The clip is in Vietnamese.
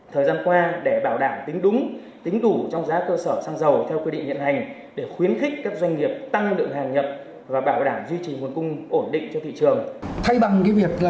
thời gian qua để bảo đảm tính đúng tính đủ trong giá cơ sở xăng dầu theo quy định hiện hành để khuyến khích các doanh nghiệp tăng lượng hàng nhập và bảo đảm duy trì nguồn cung ổn định cho thị trường